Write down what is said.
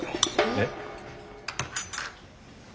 えっ。